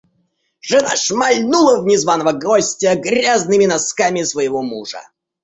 Жена шмальнула в незваного гостя грязными носками своего мужа.